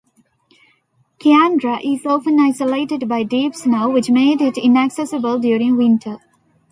Kiandra is often isolated by deep snow which made it inaccessible during winter.